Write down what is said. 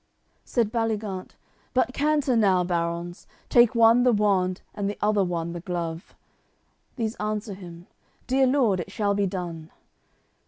CXCIV Said Baligant: "But canter now, barons, Take one the wand, and the other one the glove!" These answer him: "Dear lord, it shall be done."